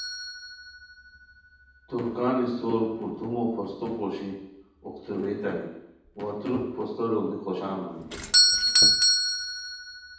ترکان استور پردومو پھوستو پوشی اوختروئیتانی وا ترک پھوستو لوڑی خوشان ہونی